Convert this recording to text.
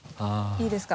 いいですか？